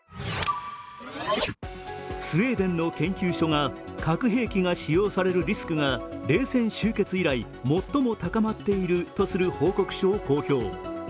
スウェーデンの研究所が核兵器が使用されるリスクが冷戦終結以来、最も高まっているとする報告書を公表。